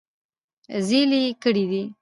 زېلې کړي دي -